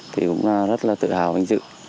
thì cũng rất là tự hào và hình dự